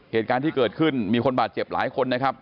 เหตุการณ์ที่เกิดขึ้นมีคนบาดเจ็บหลายคนนะครับ